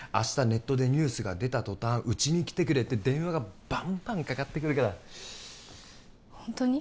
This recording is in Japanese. ネットでニュースが出た途端うちに来てくれって電話がバンバンかかってくるからホントに？